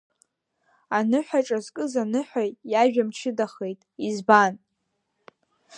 Аныҳәаҿа зкыз аныҳәаҩ иажәа мчыдахеит, избан?!